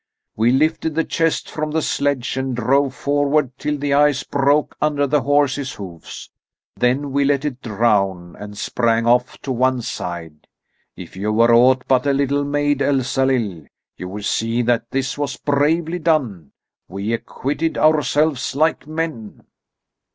We lifted the chest from the sledge and drove forward till the ice broke under the horse's hoofs. Then we let it drown and sprang off to one side. If you were aught but a little maid, Elsalill, you would see that this was bravely done. We acquitted ourselves like men."